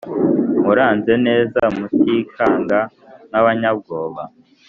muraze neza mutikanga nk’abanyabwoba